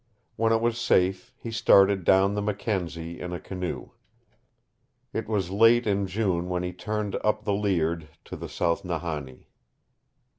When it was safe, he started down the Mackenzie in a canoe. It was late in June when he turned up the Liard to the South Nahani.